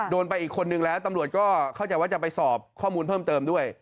โดนไปอีกคนนึงแล้วตำรวจก็เข้าใจว่าจะไปสอบข้อมูลเพิ่มเติมด้วย